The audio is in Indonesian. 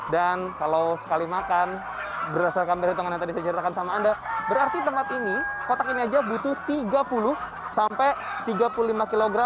kalau sekali makan berdasarkan perhitungan yang tadi saya ceritakan sama anda berarti tempat ini kotak ini aja butuh tiga puluh sampai tiga puluh lima kg